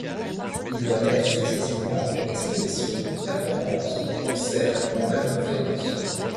Il voit naître successivement expositions, performances, concerts ou même conférences.